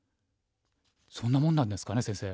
そんなもんなんですかね先生。